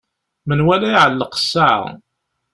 Menwala iɛelleq ssaɛa.